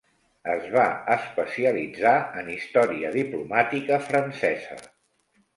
Es va especialitzar en història diplomàtica francesa.